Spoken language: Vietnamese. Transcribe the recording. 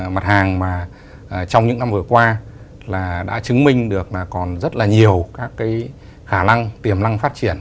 mặt hàng mà trong những năm vừa qua là đã chứng minh được là còn rất là nhiều các khả năng tiềm năng phát triển